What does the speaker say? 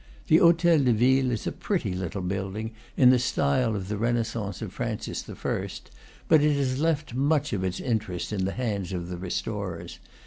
The hotel de ville is a pretty little building, in the style of the Renaissance of Francis I.; but it has left much of its interest in the hands of the restorers.